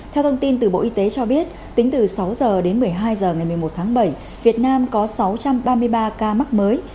theo thông tin từ bộ y tế cho biết tính từ sáu h đến một mươi hai h ngày một mươi một tháng bảy việt nam có sáu trăm ba mươi ba ca mắc mới